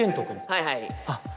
はいはい。